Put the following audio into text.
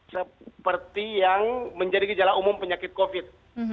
seperti yang menjadi gejala umum penyakit covid